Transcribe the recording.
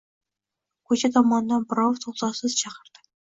Ko‘cha tomondan birov to‘xtovsiz chaqirdi.